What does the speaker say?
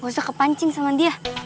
gak usah kepancing sama dia